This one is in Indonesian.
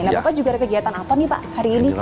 nah bapak juga ada kegiatan apa nih pak hari ini